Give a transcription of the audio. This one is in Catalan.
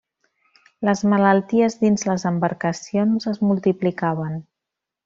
Les malalties dins les embarcacions es multiplicaven.